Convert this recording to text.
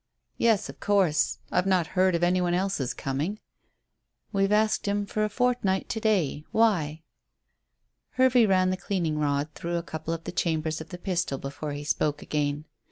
"Yes, of course. I've not heard of any one else's coming." "We've asked him for a fortnight to day. Why?" Hervey ran the cleaning rod through a couple of the chambers of the pistol before he spoke again.